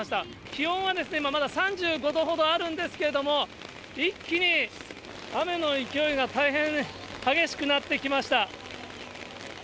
気温はですね、今まだ３５度ほどあるんですけれども、一気に雨の勢いが、大変激しくなってきました。